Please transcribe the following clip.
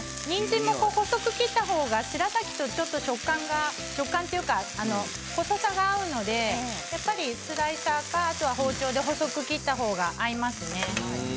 にんじんも細く切ったほうがしらたきと、ちょっと食感が食感というか細さが合うのでスライサーか、あとは包丁で細く切ったほうが合いますね。